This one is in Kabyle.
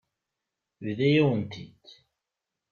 Yebḍa-yawen-t-id.